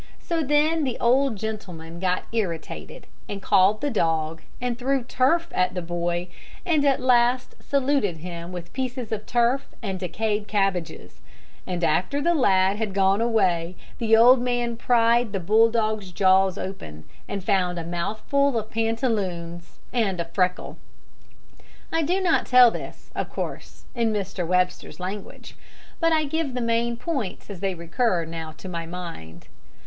So then the old gentleman got irritated, and called the dog, and threw turf at the boy, and at last saluted him with pieces of turf and decayed cabbages; and after the lad had gone away the old man pried the bull dog's jaws open and found a mouthful of pantaloons and a freckle. I do not tell this, of course, in Mr. Webster's language, but I give the main points as they recur now to my mind.